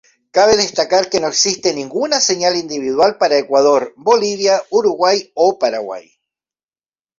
Cabe destacar que no existe ninguna señal individual para Ecuador, Bolivia, Uruguay o Paraguay.